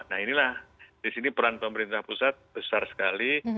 nah inilah disini peran pemerintah pusat besar sekali